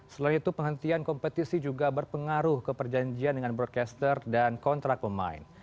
selain itu penghentian kompetisi juga berpengaruh ke perjanjian dengan broadcaster dan kontrak pemain